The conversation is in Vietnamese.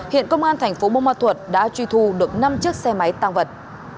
hiện công an thành phố bô ma thuật đã truy thu được năm chiếc xe máy tăng vật